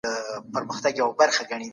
خلګ د جرګې له خبرونو څنګه خبرېږي؟